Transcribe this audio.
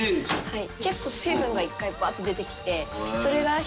はい。